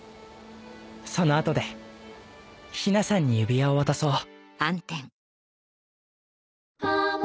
そのあとで陽菜さんに指輪を渡そう